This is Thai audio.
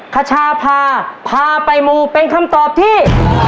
ขชาพาพาไปมูเป็นคำตอบที่